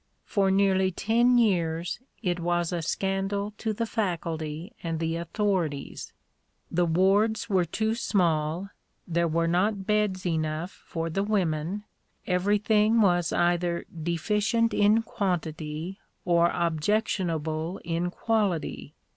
For nearly ten years it was a scandal to the faculty and the authorities. The wards were too small; there were not beds enough for the women; every thing was either deficient in quantity or objectionable in quality.